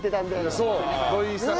そう。